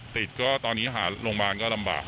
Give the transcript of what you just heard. ติดก็ตอนนี้หาโรงพยาบาลก็ลำบาก